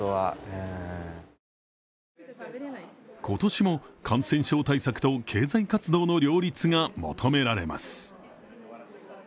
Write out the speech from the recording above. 今年も感染症対策と経済活動の両立が求められます。